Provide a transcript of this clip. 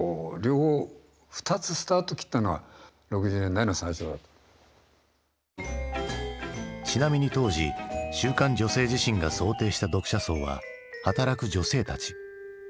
ただ何かやっぱその辺からちなみに当時週刊「女性自身」が想定した読者層は働く女性たち。